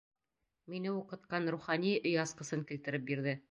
Мине уҡытҡан рухани өй асҡысын килтереп бирҙе.